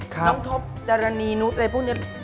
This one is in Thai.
น้องทบจารณีอะไรพวกนี้